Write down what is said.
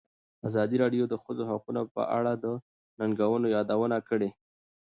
ازادي راډیو د د ښځو حقونه په اړه د ننګونو یادونه کړې.